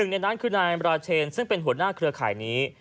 ในนั้นคือนายราเชนซึ่งเป็นหัวหน้าเครือข่ายนี้